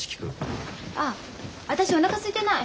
あ私おなかすいてない。